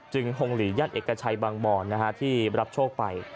จึงฮงหลียัดเอกชัยบางบ่อนนะฮะที่รับโชคไป